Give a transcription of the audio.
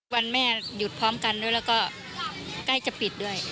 วันแม่หยุดพร้อมกันด้วยแล้วก็ใกล้จะปิดด้วย